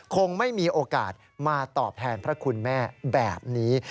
คงไม่มีโอกาสมาตอบแทนพระคุณแม่แบบนี้